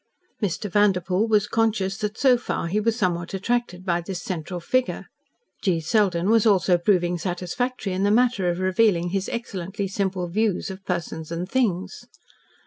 Mr. Vanderpoel was conscious that so far he was somewhat attracted by this central figure. G. Selden was also proving satisfactory in the matter of revealing his excellently simple views of persons and things.